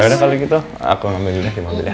yaudah kalau gitu aku ambil dulu aja di mobil ya